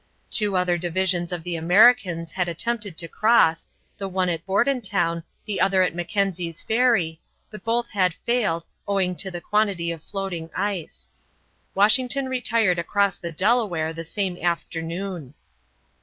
Two other divisions of the Americans had attempted to cross, the one at Bordentown, the other at Mackenzie's Ferry, but both had failed, owing to the quantity of floating ice. Washington retired across the Delaware the same afternoon.